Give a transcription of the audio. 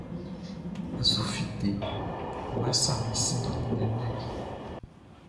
N su fite, Nʼma sa min sin ndɛndɛ.